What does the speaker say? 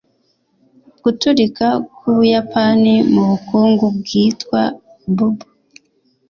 Guturika kw'Ubuyapani mubukungu bwitwa bubble